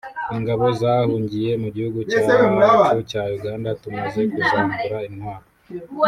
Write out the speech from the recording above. ” Ingabo zahungiye mu gihugu cyacu cya Uganda tumaze kuzambura intwaro